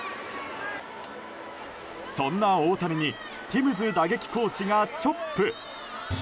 そんな大谷にティムズ打撃コーチがチョップ。